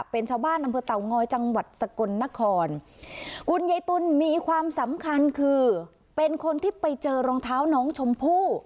เป็นชาวบ้านอำเภอเต่างอยจังหวัดสกลนครคุณยายตุลมีความสำคัญคือเป็นคนที่ไปเจอรองเท้าน้องชมพู่